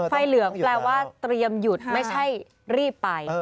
เหลืองแปลว่าเตรียมหยุดไม่ใช่รีบไป